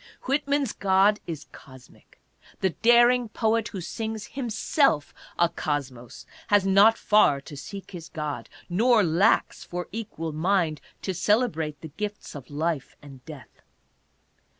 Whitman's God is cosmic. The daring poet who sings himself 'a cosmos has not far to seek his God, nor lacks for equal mind to celebrate the gifts of life and death.